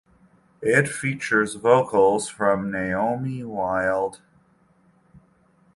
It features vocals from Naomi Wild.